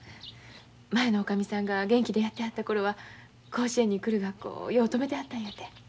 前の女将さんが元気でやってはった頃は甲子園に来る学校をよう泊めてはったんやて。